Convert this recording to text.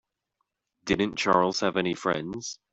Didn't Charles have any friends?